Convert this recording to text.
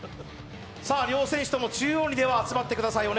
両選手とも中央に集まってください。